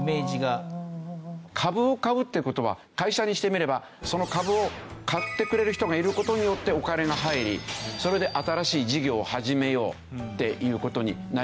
株を買うっていう事は会社にしてみればその株を買ってくれる人がいる事によってお金が入りそれで新しい事業を始めようっていう事になりますでしょ。